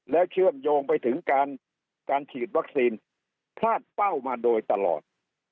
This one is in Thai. แล้วเชื่อมโยงไปถึงการฉีดวัคซีนพลาดเป้ามาโดยตลอด